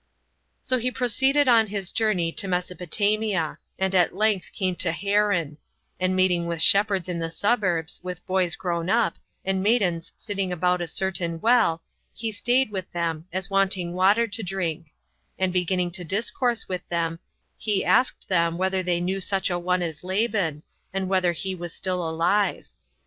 4. So he proceeded on his journey to Mesopotamia, and at length came to Haran; and meeting with shepherds in the suburbs, with boys grown up, and maidens sitting about a certain well, he staid with them, as wanting water to drink; and beginning to discourse with them, he asked them whether they knew such a one as Laban, and whether he was still alive.